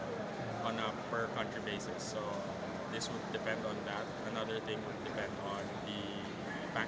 adb memiliki limit negara bagaimana kita bisa menghabiskan banyak untuk infrastruktur atau proyek secara umum